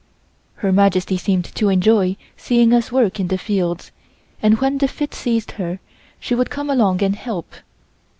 Her Majesty seemed to enjoy seeing us work in the fields, and when the fit seized her she would come along and help.